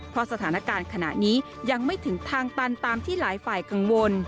เพราะสถานการณ์ขณะนี้ยังไม่ถึงทางตันตามที่หลายฝ่ายกังวล